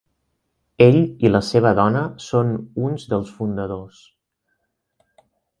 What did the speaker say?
Ell i la seva dona són uns dels fundadors.